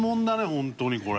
本当にこれ。